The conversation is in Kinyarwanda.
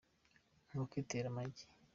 inkoko itera amagi